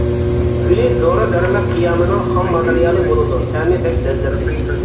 گۈلى دورا-دەرمەك قىيامىنىڭ خام ماتېرىيالى بولىدۇ، تەمى بەك لەززەتلىك.